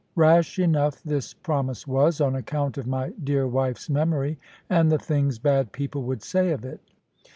Rash enough this promise was, on account of my dear wife's memory, and the things bad people would say of it.